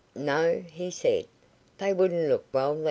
"No," he said; "they wouldn't look well there."